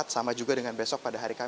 sama juga dengan besok pada hari kamis